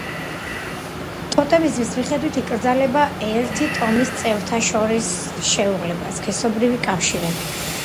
ტოტემიზმის მიხედვით იკრძალება ერთი ტომის წევრთა შორის შეუღლება, სქესობრივი კავშირები.